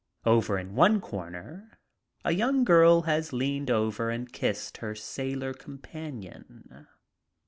Over in one corner a young girl has just leaned over and kissed her sailor companion.